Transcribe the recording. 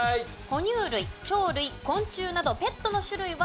ほ乳類鳥類昆虫などペットの種類は問いません。